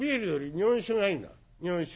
日本酒。